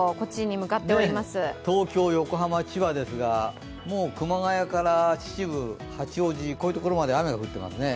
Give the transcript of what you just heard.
東京、横浜、千葉ですが、熊谷から秩父、八王子、こういうところまで雨が降ってきますね。